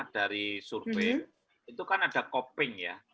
dari survei itu kan ada copping ya